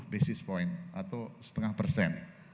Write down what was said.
lima puluh basis point atau setengah persen